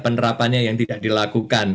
penerapannya yang tidak dilakukan